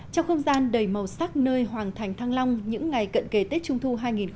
trong không gian đầy màu sắc nơi hoàng thành thăng long những ngày cận kề tết trung thu hai nghìn hai mươi